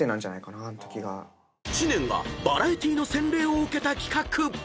［知念がバラエティーの洗礼を受けた企画］